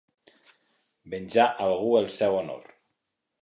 Venjar algú el seu honor.